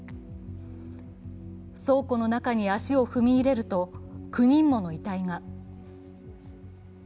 倉庫の中に足を踏み入れると９人もの遺体が。